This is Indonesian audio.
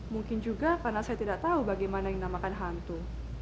mungkin juga karena saya tidak tahu bagaimana yang dinamakan hantu